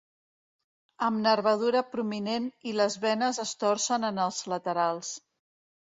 Amb nervadura prominent i les venes es torcen en els laterals.